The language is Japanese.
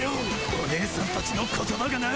おねえさんたちの言葉がな。